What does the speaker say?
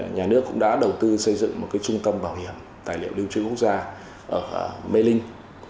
nhà nước cũng đã đầu tư xây dựng một trung tâm bảo hiểm tài liệu lưu trữ quốc gia ở mê linh